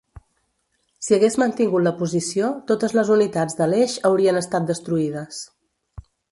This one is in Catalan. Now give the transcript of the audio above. Si hagués mantingut la posició, totes les unitats de l'Eix haurien estat destruïdes.